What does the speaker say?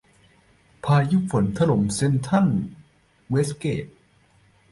พายุฝนถล่ม เซ็นทรัลเวสเกต